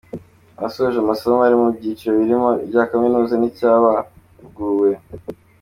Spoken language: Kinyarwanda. Abasoje amasomo bari mu byiciro birimo icya Kaminuza n’ icyabahuguwe.